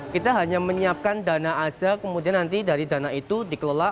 kita hanya menyiapkan dana aja kemudian nanti dari dana itu dikelola